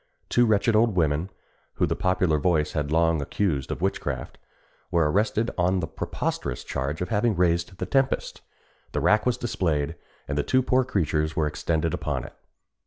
Two wretched old women, whom the popular voice had long accused of witchcraft, were arrested on the preposterous charge of having raised the tempest. The rack was displayed, and the two poor creatures were extended upon it.